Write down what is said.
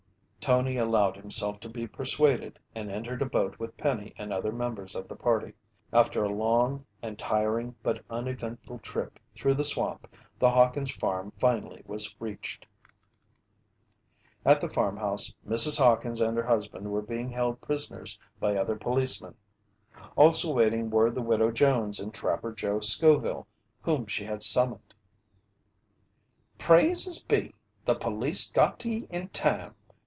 Tony allowed himself to be persuaded and entered a boat with Penny and other members of the party. After a long and tiring but uneventful trip through the swamp, the Hawkins' farm finally was reached. At the farmhouse, Mrs. Hawkins and her husband were being held prisoners by other policemen. Also waiting were the Widow Jones and Trapper Joe Scoville, whom she had summoned. "Praises be! The police got to ye in time!"